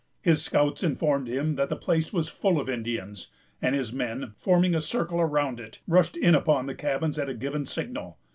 His scouts informed him that the place was full of Indians; and his men, forming a circle around it, rushed in upon the cabins at a given signal.